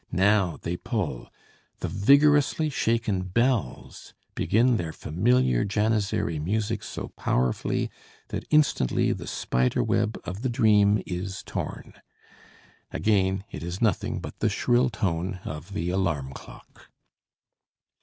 Now they pull; the vigorously shaken bells begin their familiar Janizary music so powerfully that instantly the spider web of the dream is torn. Again it is nothing but the shrill tone of the alarm clock.